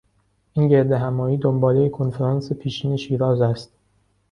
این گردهمایی دنبالهی کنفرانس پیشین شیراز است.